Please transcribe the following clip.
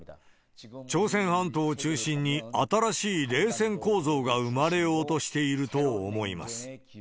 朝鮮半島を中心に、新しい冷戦構造が生まれようとしていると思います。